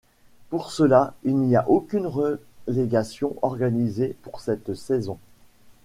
Pour cela il n’y a aucune relégation organisée pour cette saison.